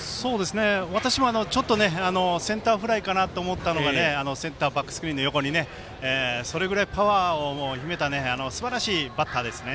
私もセンターフライかなと思ったのがセンターバックスクリーンの横にパワーを秘めたすばらしいバッターですね。